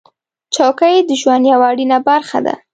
چوکۍ د ژوند یوه اړینه برخه ده.